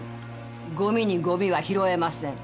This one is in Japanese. ゴミにゴミは拾えません。